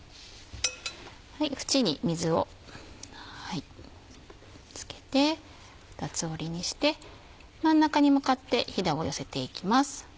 縁に水を付けて二つ折りにして真ん中に向かってひだを寄せていきます。